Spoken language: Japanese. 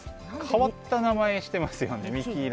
変わった名前してますよね未希ライフ。